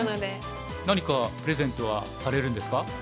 何かプレゼントはされるんですか？